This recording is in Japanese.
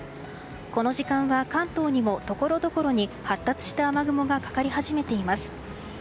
この時間は関東にもところどころに発達した雨雲がかかり始めています。